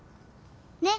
ねっ？